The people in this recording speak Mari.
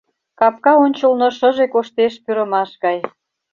Капка ончылно шыже коштеш пӱрымаш гай.